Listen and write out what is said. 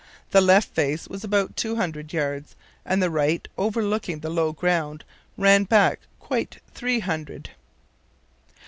The left face was about two hundred yards, and the right, overlooking the low ground, ran back quite three hundred.